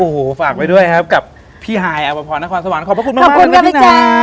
โอ้โหฝากไว้ด้วยครับกับพี่ฮายอภพรนครสวรรค์ขอบพระคุณมากครับพี่น้อง